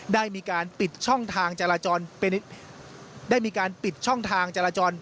ได้มีการปิดช่องทางจารจร